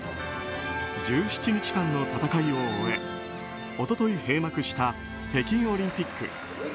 １７日間の戦いを終え一昨日、閉幕した北京オリンピック。